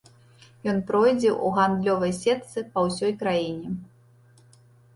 Ён пройдзе ў гандлёвай сетцы па ўсёй краіне.